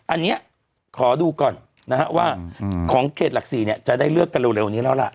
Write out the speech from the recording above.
อันนี้ขอดูก่อนนะฮะว่าของเขตหลัก๔เนี่ยจะได้เลือกกันเร็วนี้แล้วล่ะ